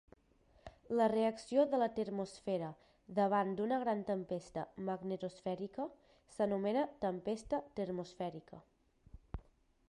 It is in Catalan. La reacció de la termosfera davant d'una gran tempesta magnetosfèrica s'anomena tempesta termosfèrica.